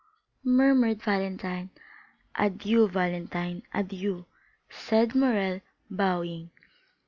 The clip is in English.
murmured Valentine. "Adieu, Valentine, adieu!" said Morrel, bowing.